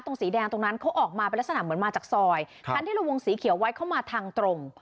สีแดงตรงนั้นเขาออกมาเป็นลักษณะเหมือนมาจากซอยคันที่เราวงสีเขียวไว้เขามาทางตรง